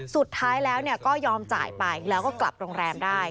สุดท้ายแล้วก็ยอมจ่ายไปแล้วก็กลับโรงแรมได้